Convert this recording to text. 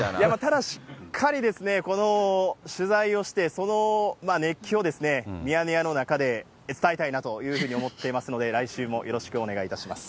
ただ、しっかりこの取材をして、その熱気をミヤネ屋の中で伝えたいなというふうに思っていますので、来週もよろしくお願いいたします。